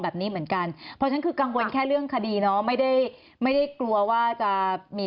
แบบนี้เหมือนกันบางทีกังวลแค่เรื่องคดีไม่ได้ไม่ได้กลัวว่าจะมี